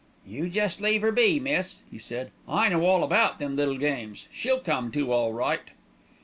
"You jest leave 'er be, miss," he said. "I know all about them little games. She'll come to all right."